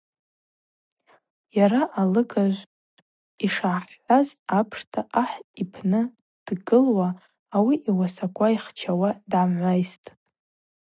Йара алыгажв, йшгӏахӏхӏваз апшта, ахӏ йпны длыгуа, ауи йуасаква йхчауа дгӏамгӏвайстӏ.